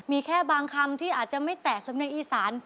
มีแค่บางคำที่อาจจะไม่แตะสำเนียงอีสาน